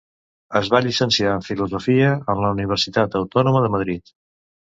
Es va llicenciar en Filosofia en la Universitat Autònoma de Madrid.